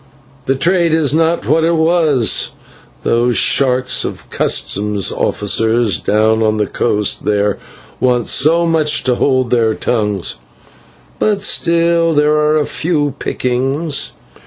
"The trade is not what it was, those sharks of customs officers down on the coast there want so much to hold their tongues, but still there are a few pickings.